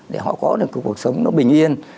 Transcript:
để họ có được cuộc sống nó bình yên